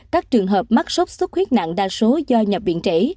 các trường hợp mắc sốt xuất huyết nặng đa số do nhập viện trẻ